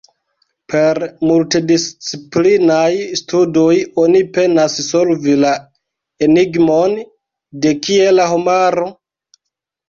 Per multdisciplinaj studoj oni penas solvi la enigmon: de kie la homaro?